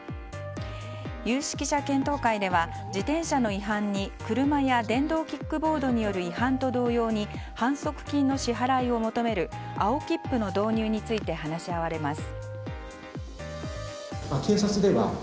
有識者検討会では自転車の違反に車や電動キックボードによる違反と同様に反則金の支払いを求める青切符の導入について話し合われます。